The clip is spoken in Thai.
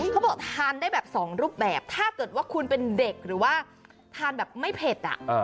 เขาบอกทานได้แบบสองรูปแบบถ้าเกิดว่าคุณเป็นเด็กหรือว่าทานแบบไม่เผ็ดอ่ะ